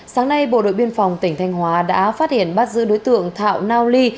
sáng nay bộ đội biên phòng tỉnh thanh hóa đã phát hiện bắt giữ đối tượng thạo nao ly